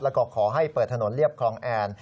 แล้วก็ขอให้เปิดถนนเรียบคลองแอน